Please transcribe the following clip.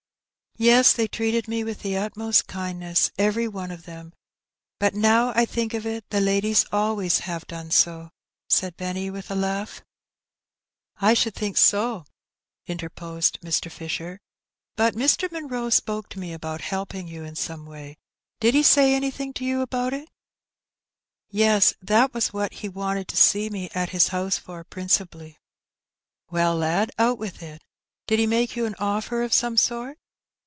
"Yes, they treated me with the utmost kindness, every one of them; but, now I think of it, the ladies always have done so," said Benny, with a laugh. The Question Settled. 265 ''I should think so/' interposed Mr. Fisher; "but Mr. Munroe epoke to me about helping you in some way: did he say anything to you about itf "Yes; that was what he wanted to see me at his house for principally.'' " Well, lad^ out with it : did he make you an offer of some sort?"